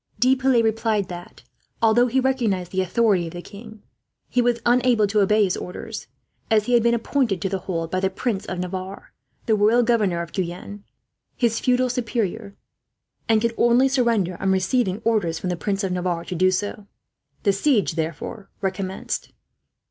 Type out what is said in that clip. De Piles replied that, although he recognized the authority of the king, he was unable to obey his orders; as he had been appointed to hold the city by the Prince of Navarre, the royal governor of Guyenne, his feudal superior, and could only surrender it on receiving his orders to do so. The siege, therefore, recommenced.